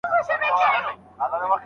پارلمان صادراتي توکي نه منع کوي.